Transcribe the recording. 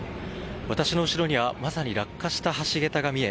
私の後ろにはまさに落下した橋げたが見え